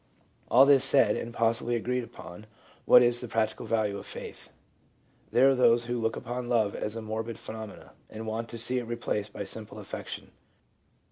All this said, and possibly agreed upon, what is the prac tical value of faith! There are those who look upon love as a morbid phenomenon, and want to see it replaced by simple affection.